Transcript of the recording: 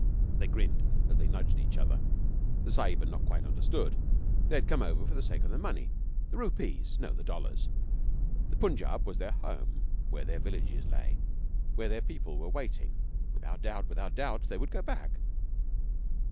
They grinned as they nudged each other. The Sahib had not quite understood. They had come over for the sake of the money the rupees, no, the dollars. The Punjab was their home where their villages lay, where their people were waiting. Without doubt without doubt they would go back.